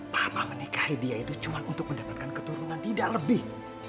papa menikahi dia itu cuma untuk mendapatkan keturunan tidak lebih